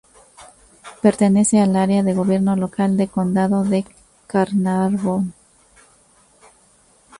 Pertenece al Área de gobierno local del Condado de Carnarvon.